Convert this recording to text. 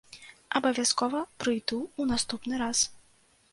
Абавязкова прыйду ў наступны раз.